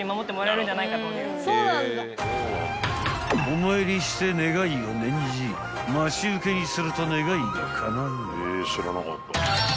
［お参りして願いを念じ待ち受けにすると願いがかなう］